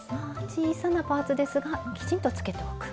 小さなパーツですがきちんとつけておく。